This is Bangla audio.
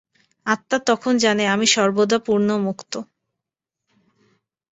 আত্মা তখন জানে, আমি সর্বদা পূর্ণ ও মুক্ত।